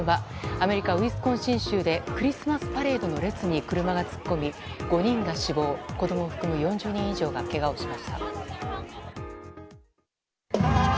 アメリカ・ウィスコンシン州でクリスマスパレードの列に車が突っ込み５人が死亡子供含む４０人以上がけがをしました。